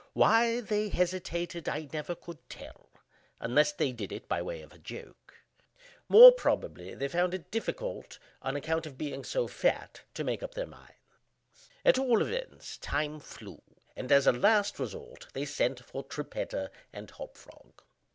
Why they hesitated I never could tell, unless they did it by way of a joke. More probably, they found it difficult, on account of being so fat, to make up their minds. At all events, time flew; and, as a last resort they sent for Trippetta and Hop Frog.